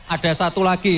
ada satu lagi